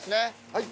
はい。